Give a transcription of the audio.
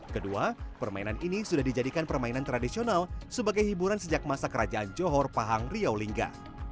kedua permainan ini sudah dijadikan permainan tradisional sebagai hiburan sejak masa kerajaan johor pahang riau lingga